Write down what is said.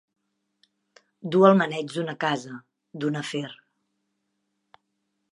Dur el maneig d'una casa, d'un afer.